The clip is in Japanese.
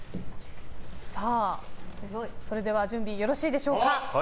それでは準備よろしいでしょうか。